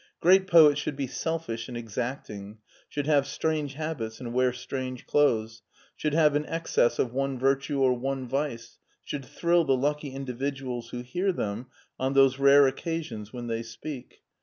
Great poets should be selfish and exacting, should have strange habits and wear strange clothes, should have an excess of one virtue or one vice, should thrill the lucky individuals who hear them on those rare occasions when they speak.